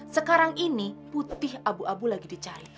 sekarang ini putih abu abu lagi dicari